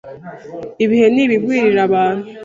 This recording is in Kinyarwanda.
ibihe n’ibigwirira abantu